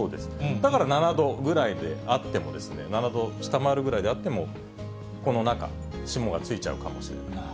だから７度ぐらいであっても、７度下回るぐらいであっても、この中、霜がついちゃうかもしれない。